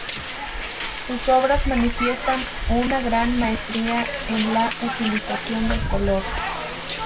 Sus obras manifiestan una gran maestría en la utilización del color.